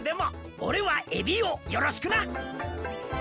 おれはエビオよろしくな。